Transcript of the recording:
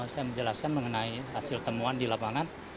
saya menjelaskan mengenai hasil temuan di lapangan